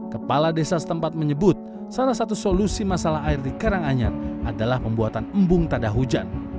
kepala desa setempat menyebut salah satu solusi masalah air di karanganyar adalah pembuatan embung tada hujan